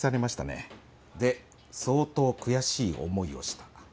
で相当悔しい思いをした。